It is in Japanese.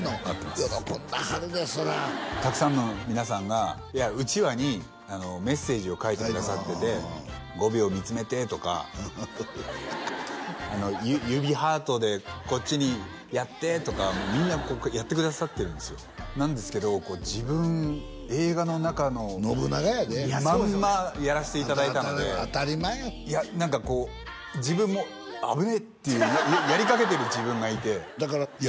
喜んではるでそりゃたくさんの皆さんがうちわにメッセージを書いてくださってて「５秒見つめて」とか「指ハートでこっちにやって」とかもうみんなやってくださってるんですよなんですけど自分映画の中の信長やでまんまやらしていただいたのでいや何かこう自分も危ねえっていうやりかけてる自分がいてだからいや